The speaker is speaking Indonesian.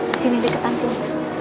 di sini diketan sini